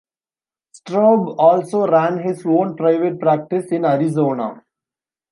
Straub also ran his own private practice in Arizona.